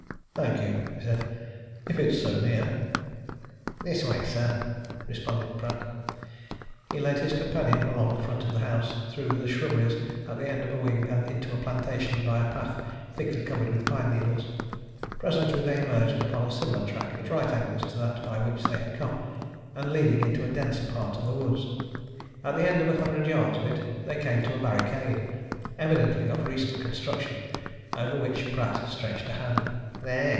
"Thank you," he said. "If it's so near." "This way, sir," responded Pratt. He led his companion along the front of the house, through the shrubberies at the end of a wing, and into a plantation by a path thickly covered with pine needles. Presently they emerged upon a similar track, at right angles to that by which they had come, and leading into a denser part of the woods. And at the end of a hundred yards of it they came to a barricade, evidently of recent construction, over which Pratt stretched a hand. "There!"